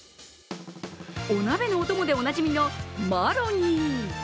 お鍋のお供でおなじみのマロニー。